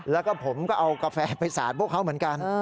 แล้วก็ผมก็เอากาแฟไปสาดพวกเขาเหมือนกัน